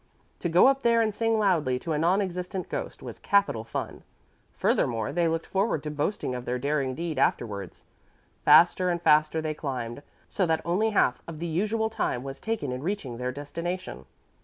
To go up there and sing loudly to a non existent ghost was capital fun. Furthermore, they looked forward to boasting of their daring deed afterwards. Faster and faster they climbed, so that only half of the usual time was taken in reaching their destination.